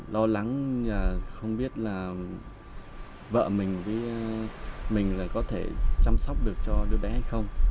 lo lắng không biết là vợ mình với mình là có thể chăm sóc được cho đứa bé hay không